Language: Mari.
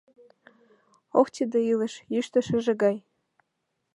Ох, тиде илыш — йӱштӧ шыже гай!